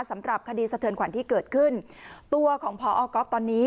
สำหรับคดีสะเทือนขวัญที่เกิดขึ้นตัวของพอก๊อฟตอนนี้